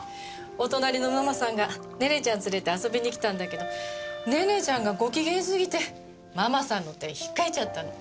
お隣のママさんがネネちゃんを連れて遊びに来たんだけどネネちゃんがご機嫌すぎてママさんの手を引っかいちゃったの。